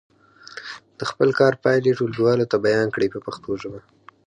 د خپل کار پایلې ټولګیوالو ته بیان کړئ په پښتو ژبه.